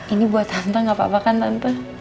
ini buat tante gak apa apa kan tante